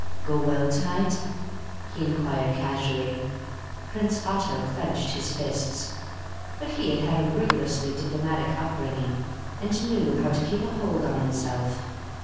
"Go well to night?" he inquired casually. Prince Otto clenched his fists; but he had had a rigorously diplomatic up bringing, and knew how to keep a hold on himself.